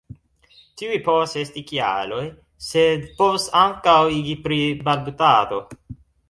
Tiuj povas esti kialoj, sed povas ankaŭ igi pri balbutado.